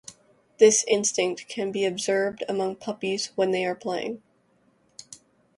This instinct can be observed among puppies when they are playing.